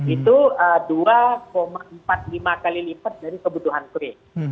itu dua empat puluh lima kali lipat dari kebutuhan kue